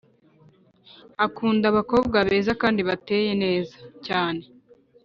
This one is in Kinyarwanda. Akunda abakobwa beza kandi bateye neza cyane